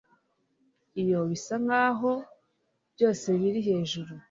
iyo bisa nkaho byose biri hejuru